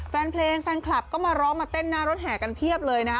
แฟนเพลงแฟนคลับก็มาร้องมาเต้นหน้ารถแห่กันเพียบเลยนะคะ